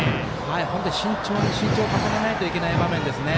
本当に慎重に慎重に投げないといけない場面ですね。